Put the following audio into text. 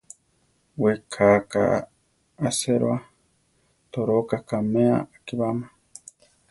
Weká ka aséroa, toróka kaʼmea akibáma.